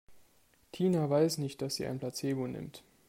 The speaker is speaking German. Tina weiß nicht, dass sie ein Placebo nimmt.